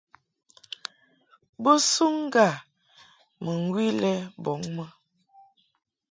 Bo suŋ ŋga mɨŋgwi lɛ bɔŋ mɨ.